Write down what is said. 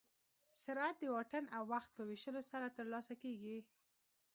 سرعت د واټن او وخت په ویشلو سره ترلاسه کېږي.